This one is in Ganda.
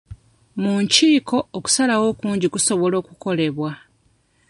Mu nkiiko, okusalawo okungi kusobola okukolebwa.